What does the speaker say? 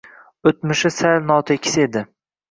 Oʻtmishi sal notekis edi.